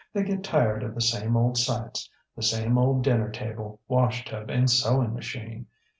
They get tired of the same old sightsŌĆöthe same old dinner table, washtub, and sewing machine.